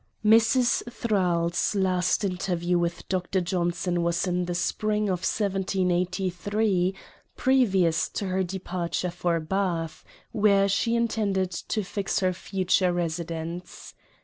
Mrs. Thrale's last interview with Dr. Johnson was in the spring of 1783, previous to her departure for Bath, where she intended to fix her future residence.